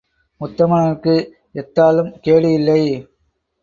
உத்தமனுக்கு எத்தாலும் கேடு இல்லை.